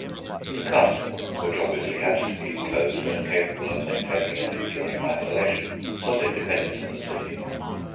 The Castle, which obviously had to be enclosed and capable of maintaining and enduring isolation, was independent of the city.